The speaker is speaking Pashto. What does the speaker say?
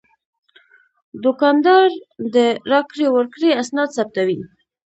دوکاندار د راکړې ورکړې اسناد ثبتوي.